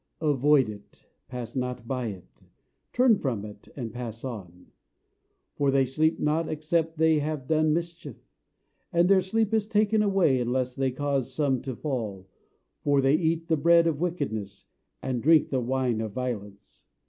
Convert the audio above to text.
Avoid it, Pass not by it; Turn from it, And pass on. For they sleep not, except they have done mischief; And their sleep is taken away, unless they cause some to fall. For they eat the bread of wickedness, And drink the wine of violence.